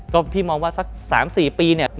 ก็พี่มองว่าสัก๓๔ปีเนี่ย